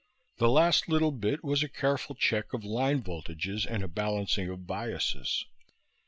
The last little bit was a careful check of line voltages and a balancing of biases.